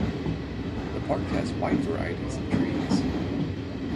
The park has wide varieties of trees.